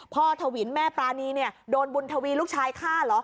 ถวินแม่ปรานีเนี่ยโดนบุญทวีลูกชายฆ่าเหรอ